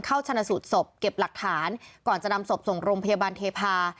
ชนะสูตรศพเก็บหลักฐานก่อนจะนำศพส่งโรงพยาบาลเทพา